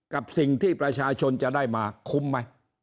กับสิ่งที่ประชาชนจะได้มาคุ้มไหม